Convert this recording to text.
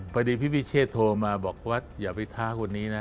พอดีพี่พิเชษโทรมาบอกว่าอย่าไปท้าคนนี้นะ